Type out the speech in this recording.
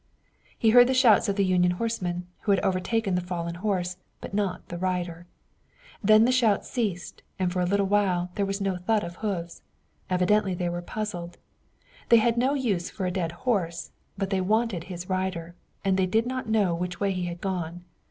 He heard the shouts of the Union horsemen who had overtaken the fallen horse, but not the rider. Then the shouts ceased, and for a little while there was no thud of hoofs. Evidently they were puzzled. They had no use for a dead horse, but they wanted his rider, and they did not know which way he had gone.